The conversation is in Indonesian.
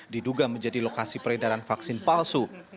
diduga menjadi lokasi peredaran vaksin palsu